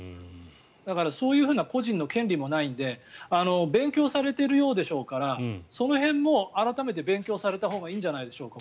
だから、そういうふうな個人の権利もないので勉強されているようでしょうからその辺も改めて勉強されたほうがいいんじゃないでしょうか